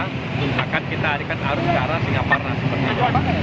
kita akan mengalihkan arus ke arah singaparna sebetulnya